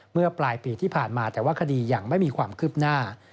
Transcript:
เมื่อปลายปีที่ผ่านมาแต่ว่าคดียังไม่มีความคืบหน้า